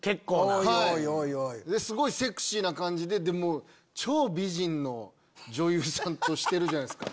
すごいセクシーな感じで超美人の女優さんとしてるじゃないですか。